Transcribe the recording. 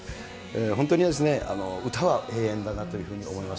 本当に歌は永遠だなというふうに思います。